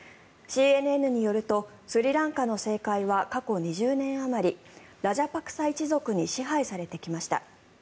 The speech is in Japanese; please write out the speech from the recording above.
ＣＮＮによるとスリランカの政界は過去２０年あまりラジャパクサ一族に支配されてきました。